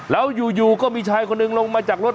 แล้วอยู่ก็มีชายคนหนึ่งลงมาจากรถ